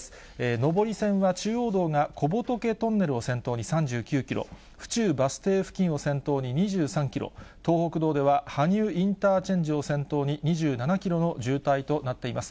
上り線が中央道が小仏トンネルを先頭に３９キロ、府中バス停付近を中心に２３キロ、東北道では羽生インターチェンジを先頭に２７キロの渋滞となっています。